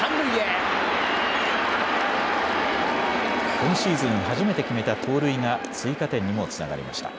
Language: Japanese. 今シーズン初めて決めた盗塁が追加点にもつながりました。